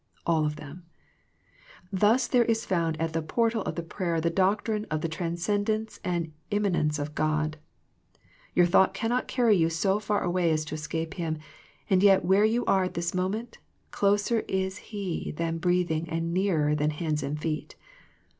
All of them. Thus there is found at the portal of the prayer the doctrine of the transcendence and im manence of God. Your thought cannot carry you so far away as to escape Him ; and yet where you are at this moment, " Closer is He than breathing, and nearer than hands and feet."